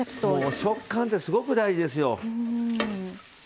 食感ってすごく大事ですよ。